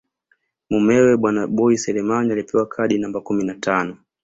Mumewe bwana Boi Selemani alipewa kadi namba kumi na tano